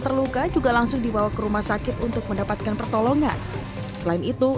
terluka juga langsung dibawa ke rumah sakit untuk mendapatkan pertolongan selain itu